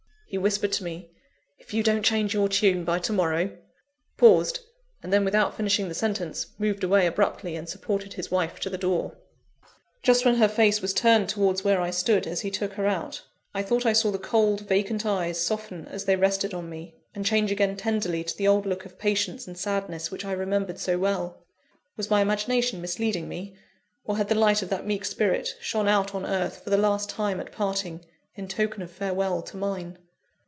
He whispered to me: "If you don't change your tone by to morrow!" paused and then, without finishing the sentence, moved away abruptly, and supported his wife to the door. Just when her face was turned towards where I stood, as he took her out, I thought I saw the cold, vacant eyes soften as they rested on me, and change again tenderly to the old look of patience and sadness which I remembered so well. Was my imagination misleading me? or had the light of that meek spirit shone out on earth, for the last time at parting, in token of farewell to mine?